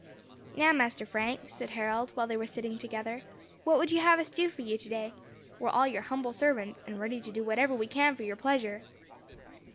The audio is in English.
"Now, Master Frank," said Harold, while they were sitting together, "what would you have us do for you today? We are all your humble servants, and ready to do whatever we can for your pleasure."